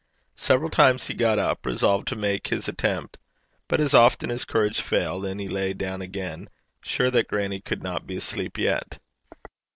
Several times he got up, resolved to make his attempt; but as often his courage failed and he lay down again, sure that grannie could not be asleep yet.